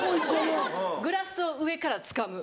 グラスを上からつかむ。